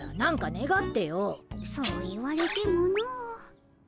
そう言われてもの。